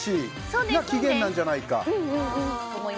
漁師飯が起源なんじゃないかと。